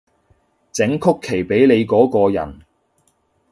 整曲奇畀你嗰個人